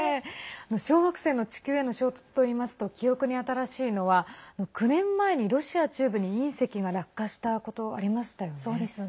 小惑星の地球への衝突といいますと記憶に新しいのは９年前にロシア中部に隕石が落下したことありましたよね。